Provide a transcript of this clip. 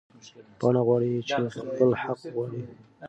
پاڼه غواړې چې خپل حق وغواړي.